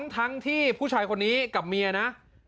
ทั้งที่ผู้ชายคนนี้กับเมียนะ